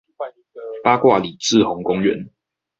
八卦里滯洪公園